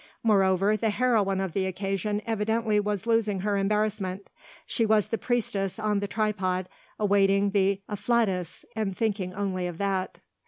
Moreover, the heroine of the occasion evidently was losing her embarrassment; she was the priestess on the tripod, awaiting the afflatus and thinking only of that.